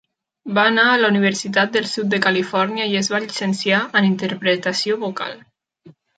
Va anar a la Universitat del Sud de Califòrnia i es va llicenciar en Interpretació vocal.